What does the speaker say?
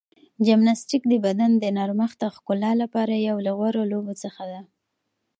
جمناستیک د بدن د نرمښت او ښکلا لپاره یو له غوره لوبو څخه ده.